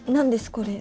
これ。